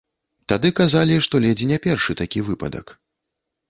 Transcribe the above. Тады казалі, што ледзь не першы такі выпадак.